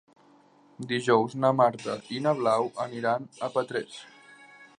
Dijous na Marta i na Blau aniran a Petrés.